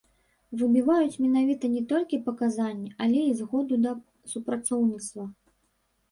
Выбіваюць менавіта не толькі паказанні, але і згоду да супрацоўніцтва.